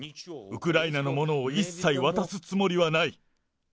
ウクライナのものを一切渡すつもりはない。